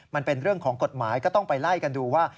มันเป็นเรื่องของกฎหมายก็ต้องไปไล่กันดูว่า